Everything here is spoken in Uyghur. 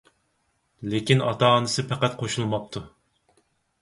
لېكىن ئاتا-ئانىسى پەقەت قوشۇلماپتۇ.